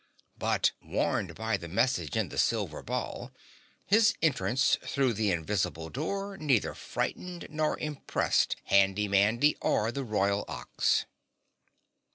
But warned by the message in the silver ball, his entrance through the invisible door neither frightened nor impressed Handy Mandy or the Royal Ox.